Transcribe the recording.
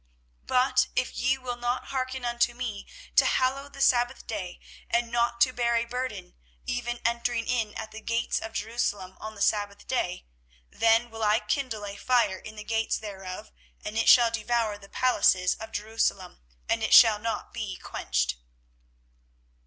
24:017:027 But if ye will not hearken unto me to hallow the sabbath day, and not to bear a burden, even entering in at the gates of Jerusalem on the sabbath day; then will I kindle a fire in the gates thereof, and it shall devour the palaces of Jerusalem, and it shall not be quenched.